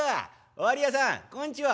おわり屋さんこんちは」。